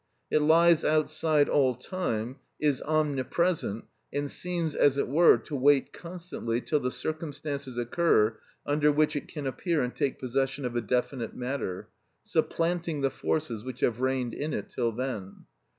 It lies outside all time, is omnipresent, and seems as it were to wait constantly till the circumstances occur under which it can appear and take possession of a definite matter, supplanting the forces which have reigned in it till then.